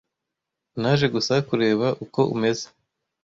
Naje gusa kureba uko umeze.